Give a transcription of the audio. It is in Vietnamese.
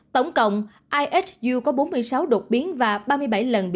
tổng cộng ihu có bốn mươi sáu đột biến và ba mươi bảy lệnh